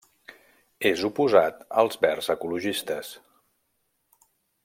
És oposat als Verds Ecologistes.